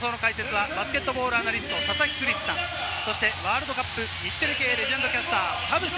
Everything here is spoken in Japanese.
解説はバスケットボールアナリスト・佐々木クリスさん、ワールドカップレジェンドキャスター・田臥